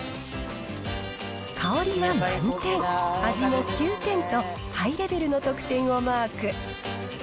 香りは満点、味も９点とハイレベルの得点をマーク。